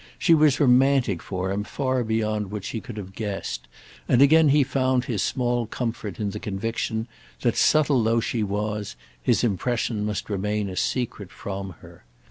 She was romantic for him far beyond what she could have guessed, and again he found his small comfort in the conviction that, subtle though she was, his impression must remain a secret from her.